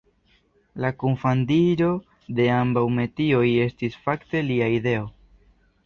La kunfandiĝo de ambaŭ metioj estis fakte lia ideo.